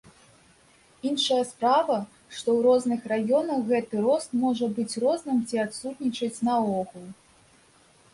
Іншая справа, што ў розных раёнах гэты рост можа быць розным ці адсутнічаць наогул.